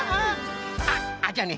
あっじゃあね